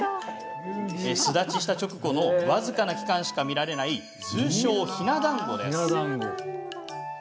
巣立ちした直後の僅かな期間しか見られない通称、ひな団子です。